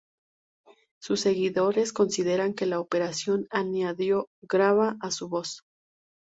Sus seguidores consideran que la operación añadió "grava" a su voz.